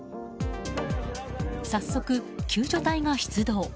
早速、救助隊が出動。